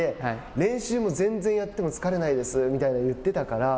練習も全然やっても疲れないですって言っていたから。